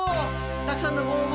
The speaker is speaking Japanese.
たくさんのご応募